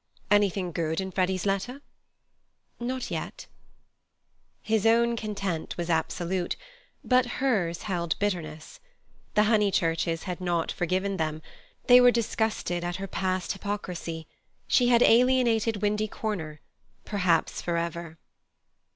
"Anything good in Freddy's letter?" "Not yet." His own content was absolute, but hers held bitterness: the Honeychurches had not forgiven them; they were disgusted at her past hypocrisy; she had alienated Windy Corner, perhaps for ever.